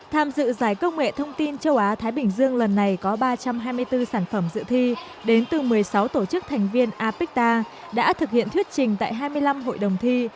tham dự giải công nghệ thông tin châu á thái bình dương lần này có ba trăm hai mươi bốn sản phẩm dự thi đến từ một mươi sáu tổ chức thành viên apecta đã thực hiện thuyết trình tại hai mươi năm hội đồng thi